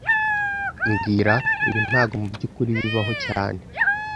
Mbwira ibi ntago mubyukuri bibaho cyane